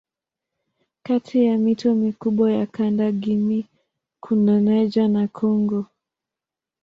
Kati ya mito mikubwa ya kanda Guinea kuna Niger na Kongo.